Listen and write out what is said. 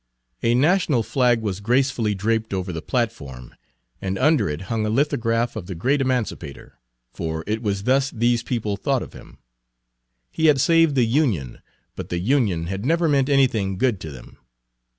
A national flag was gracefully draped over the platform, and under it hung a lithograph of the Great Emancipator, for it was thus these people thought of him. He had saved the Union, but the Union had never meant anything good to them.